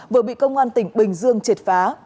vừa bị công an tỉnh bình dương triệt phá